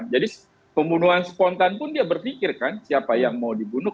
jadi pembunuhan spontan pun dia berpikirkan siapa yang mau dibunuh